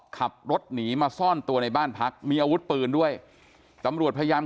ขับรถหนีมาซ่อนตัวในบ้านพักมีอาวุธปืนด้วยตำรวจพยายาม